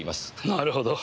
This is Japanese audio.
なるほど。